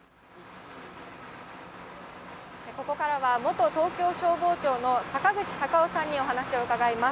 ここからは元東京消防庁の坂口隆夫さんにお話を伺います。